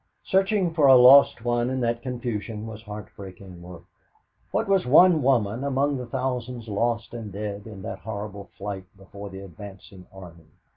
Searching for a lost one in that confusion was heart breaking work. What was one woman among the thousands lost and dead in that horrible flight before the advancing army!